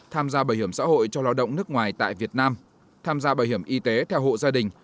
tham gia bảo hiểm xã hội cho lao động nước ngoài tại việt nam tham gia bảo hiểm y tế theo hộ gia đình